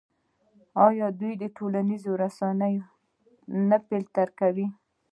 آیا دوی ټولنیزې رسنۍ نه فلټر کوي؟